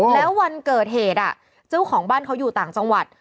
แล้ววันเกิดเหตุเจ้าของบ้านเขาอยู่ต่างจังหวัด